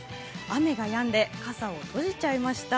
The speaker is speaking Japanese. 雨がやんで傘を閉じちゃいました。